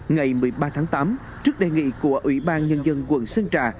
ngày một mươi ba tháng tám trước đề nghị của ủy ban nhân dân quận sơn trà